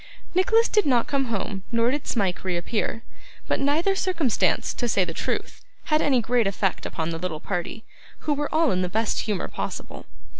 Nicholas did not come home nor did Smike reappear; but neither circumstance, to say the truth, had any great effect upon the little party, who were all in the best humour possible.